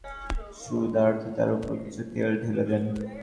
তারপর সেই পাথরটি চেনার সুবিধার্থে তার উপর কিছু তেল ঢেলে দেন।